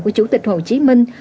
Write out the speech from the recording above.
của chủ tịch hồ chí minh